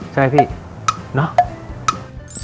ใช่พี่เนาะ